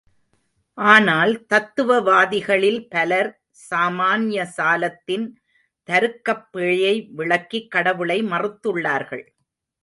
ஆனால் தத்துவ வாதிகளில் பலர் சாமான்ய சாலத்தின் தருக்கப் பிழையை விளக்கி கடவுளை மறுத்துள்ளார்கள்.